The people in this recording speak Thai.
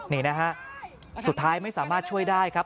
นี่นะฮะสุดท้ายไม่สามารถช่วยได้ครับ